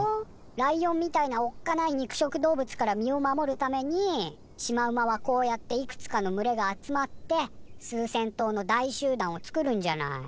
ライオンみたいなおっかない肉食動物から身を守るためにシマウマはこうやっていくつかの群れが集まって数千頭の大集団を作るんじゃない。